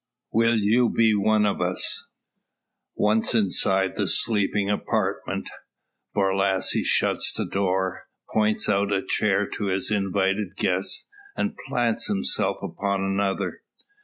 "WILL YOU BE ONE OF US?" Once inside his sleeping apartment, Borlasse shuts the door, points out a chair to his invited guest, and plants himself upon another.